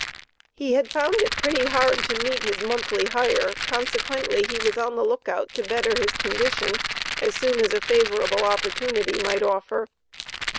He had found it pretty hard to meet his monthly hire, consequently he was on the look out to better his condition as soon as a favorable opportunity might offer.